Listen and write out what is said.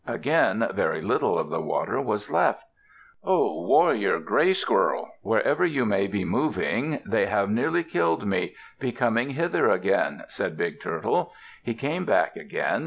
Again very little of the water was left. "Ho! warrior Gray Squirrel, wherever you may be moving. They have nearly killed me. Be coming hither again," said Big Turtle. He came back again.